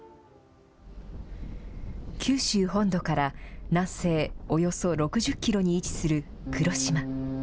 九州本土から南西およそ６０キロに位置する黒島。